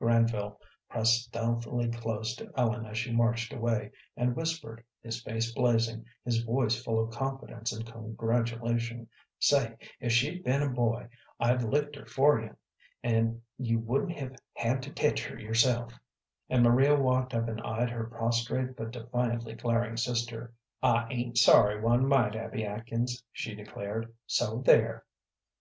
Granville pressed stealthily close to Ellen as she marched away and whispered, his face blazing, his voice full of confidence and congratulation, "Say, if she'd been a boy, I'd licked her for you, and you wouldn't hev had to tech her yourself;" and Maria walked up and eyes her prostrate but defiantly glaring sister "I ain't sorry one mite, Abby Atkins," she declared "so there."